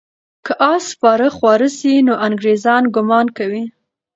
که آس سپاره خواره سي، نو انګریزان ګمان کوي.